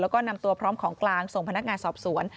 แล้วก็นำตัวพร้อมของกลางส่งพนักงานสอบสวน